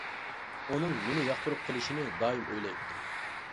ئۇنىڭ مېنى ياقتۇرۇپ قېلىشىنى دائىم ئويلايتتىم.